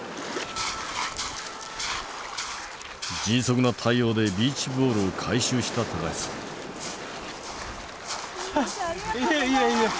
迅速な対応でビーチボールを回収した橋さん。